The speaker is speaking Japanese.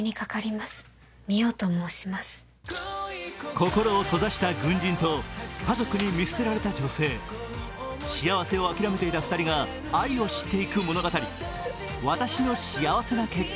心を閉ざした軍人・清霞と家族に見捨てられた女性、幸せを諦めていた２人が愛を知っていく物語「わたしの幸せな結婚」。